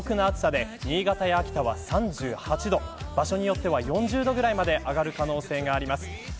北陸から北は過酷な暑さで新潟や秋田は３８度場所によっては４０度くらいまで上がる可能性があります。